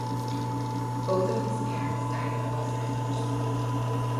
Both of his parents died of Alzheimers.